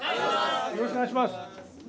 よろしくお願いします。